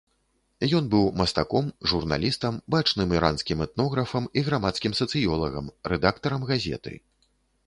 Ён быў мастаком, журналістам, бачным іранскім этнографам і грамадскім сацыёлагам, рэдактарам газеты.